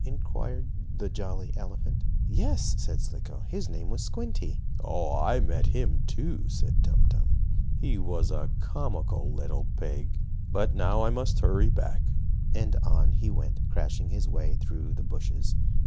inquired the jolly elephant. "Yes," said Slicko, "his name was Squinty." "I met him, too," said Tum Tum. "He was a comical little pig. But now I must hurry back," and on he went, crashing his way through the bushes.